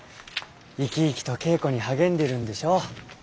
生き生きと稽古に励んでるんでしょう。